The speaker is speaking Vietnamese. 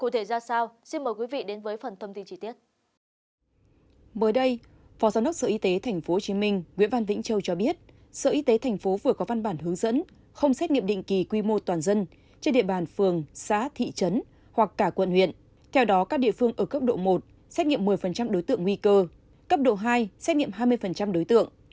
theo đó các địa phương ở cấp độ một xét nghiệm một mươi đối tượng nguy cơ cấp độ hai xét nghiệm hai mươi đối tượng